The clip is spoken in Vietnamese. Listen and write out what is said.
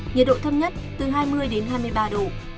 nhiệt độ thấp nhất từ hai mươi đến hai mươi ba độ